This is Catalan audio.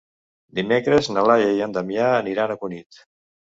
Dimecres na Laia i en Damià aniran a Cunit.